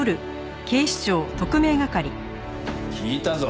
聞いたぞ。